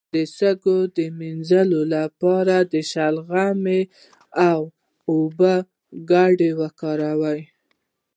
د سږو د مینځلو لپاره د شلغم او اوبو ګډول وکاروئ